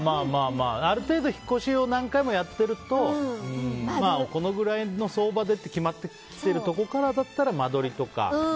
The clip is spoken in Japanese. ある程度引っ越しを何回もやってるとまあ、このぐらいの相場でって決まっているなら間取りとか。